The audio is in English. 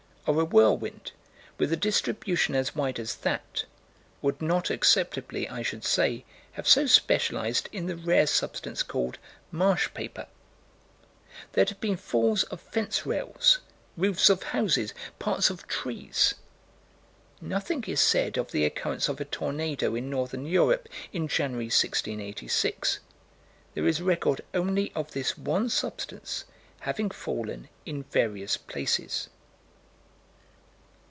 Or a whirlwind, with a distribution as wide as that, would not acceptably, I should say, have so specialized in the rare substance called "marsh paper." There'd have been falls of fence rails, roofs of houses, parts of trees. Nothing is said of the occurrence of a tornado in northern Europe, in January, 1686. There is record only of this one substance having fallen in various places.